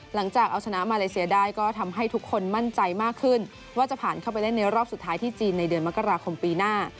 หลังจากเอาชนะมาเลเซียได้ก็ทำให้ทุกคนมั่นใจมากขึ้นว่าจะผ่านเข้าไปเล่นในรอบสุดท้ายที่จีนในเดือนมกราคมปีหน้า